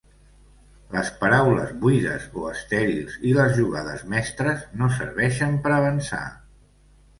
“Les paraules buides o estèrils i les jugades mestres no serveixen per avançar”.